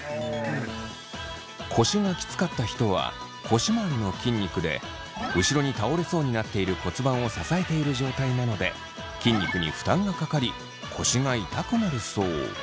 腰がキツかった人は腰まわりの筋肉で後ろに倒れそうになっている骨盤を支えている状態なので筋肉に負担がかかり腰が痛くなるそう。